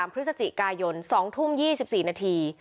พฤศจิกายน๒ทุ่ม๒๔นาที